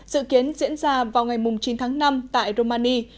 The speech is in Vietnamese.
dự kiến diễn ra vào ngày chín tháng năm tại romani